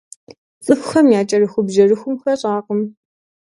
ЦӀыхухэм я кӀэрыхубжьэрыхум хэщӀакъым.